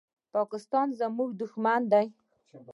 پاکستان زموږ دښمن ده.